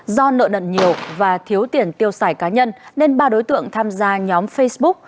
do nợ nận nhiều và thiếu tiền tiêu xài cá nhân nên ba đối tượng tham gia nhóm facebook